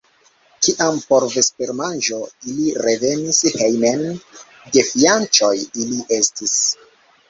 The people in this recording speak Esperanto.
Kiam por vespermanĝo ili revenis hejmen, gefianĉoj ili estis.